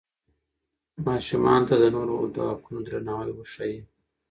ماشومانو ته د نورو د حقونو درناوی وښایئ.